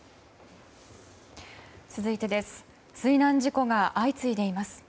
続いて、水難事故が相次いでいます。